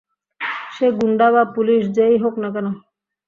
সে গুন্ডা বা পুলিশ যে-ই হোক না কেন!